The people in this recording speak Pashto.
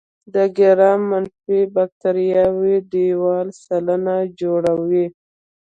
د ګرام منفي باکتریاوو دیوال سلنه جوړوي.